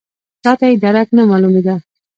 چاته یې درک نه معلومېده.